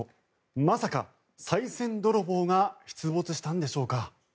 まさか、さい銭泥棒が出没したんでしょうか。